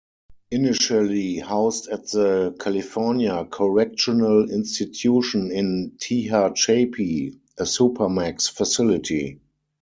Initially housed at the California Correctional Institution in Tehachapi, a supermax facility.